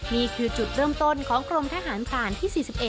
นี่คือจุดเริ่มต้นของกรมทหารผ่านที่๔๑